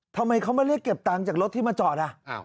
ทำไมเขามาเรียกเก็บตังค์จากรถที่มาจอด